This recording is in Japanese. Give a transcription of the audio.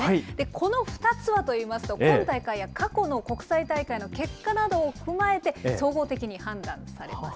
この２つはといいますと、今大会や過去の国際大会の結果などを踏まえて、総合的に判断されます。